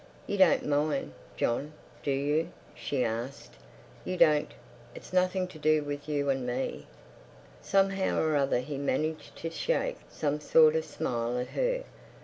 "You don't mind, John, do you?" she asked. "You don't—It's nothing to do with you and me." Somehow or other he managed to shake some sort of smile at her.